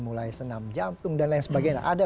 mulai senam jantung dan lain sebagainya ada